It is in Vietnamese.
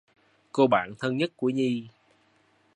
Cô bạn thân nhất của Nhi